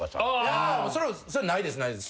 それはないですないです。